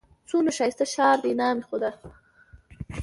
څونه ښايسته ښار دئ! نام خدا!